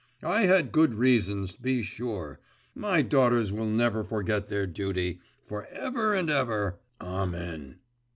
I had good reasons, be sure! My daughters will never forget their duty, for ever and ever, amen!